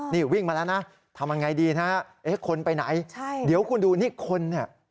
นี่วิ่งมาแล้วนะทำยังไงดีนะฮะเอ๊ะคนไปไหนใช่เดี๋ยวคุณดูนี่คนเนี่ย